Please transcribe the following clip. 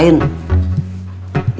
ini bisnis besar